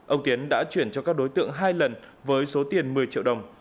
ông tiến đã chuyển cho các đối tượng hai lần với số tiền một mươi triệu đồng